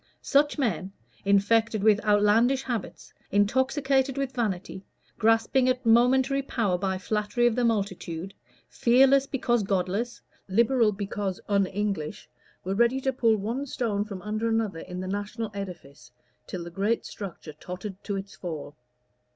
Such men, infected with outlandish habits, intoxicated with vanity, grasping at momentary power by flattery of the multitude, fearless because godless, Liberal because un English, were ready to pull one stone from under another in the national edifice, till the great structure tottered to its fall.